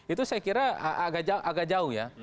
itu saya kira agak jauh ya